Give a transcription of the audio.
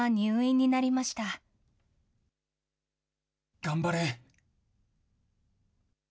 頑張れ！